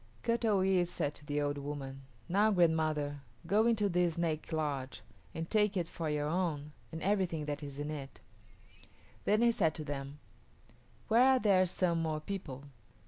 Kut o yis´ said to the old woman, "Now, grandmother, go into this snake lodge and take it for your own and everything that is in it." Then he said to them, "Where are there some more people?"